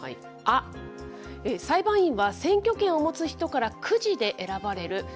ア、裁判員は選挙権を持つ人からくじで選ばれる。